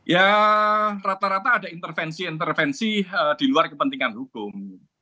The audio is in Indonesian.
ya rata rata ada intervensi intervensi di luar kepentingan hukum